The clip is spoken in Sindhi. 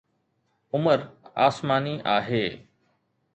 عمر آسماني آهي